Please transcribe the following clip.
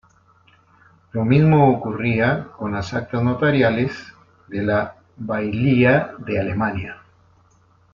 Lo mismo ocurría con las actas notariales de la bailía de Alemania.